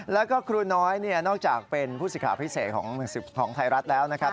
แล้วก็ครูน้อยนอกจากเป็นผู้สิทธิ์พิเศษของไทยรัฐแล้วนะครับ